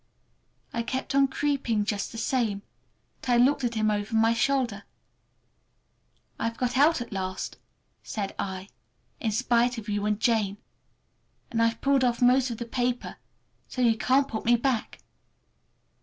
I kept on creeping just the same, but I looked at him over my shoulder. "I've got out at last," said I, "in spite of you and Jane! And I've pulled off most of the paper, so you can't put me back!"